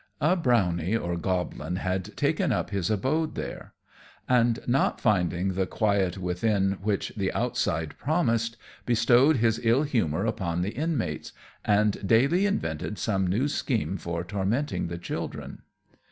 A brownie or goblin had taken up his abode there, and not finding the quiet within which the outside promised, bestowed his ill humour upon the inmates, and daily invented some new scheme for tormenting the children.